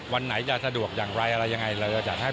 วันไหนจะสะดวกอย่างไรอะไรยังไงเราจะจัดให้